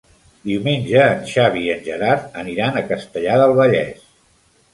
Diumenge en Xavi i en Gerard aniran a Castellar del Vallès.